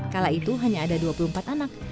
kala itu hanya ada dua puluh empat anak